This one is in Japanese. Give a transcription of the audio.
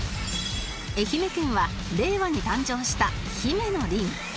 愛媛県は令和に誕生したひめの凜